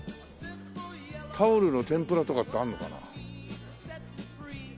タオルの天ぷらとかってあるのかな。